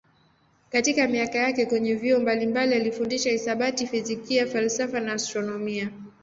Katika miaka yake kwenye vyuo mbalimbali alifundisha hisabati, fizikia, falsafa na astronomia.